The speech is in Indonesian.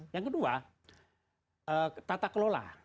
yang kedua tata kelola